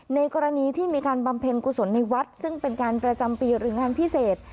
ในกรณีที่มีการบำเพ็ญกุศลในวัดซึ่งเป็นการประจำปีหรืองานพิเศษ